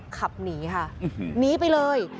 ขับหนีค่ะหนีไปเลย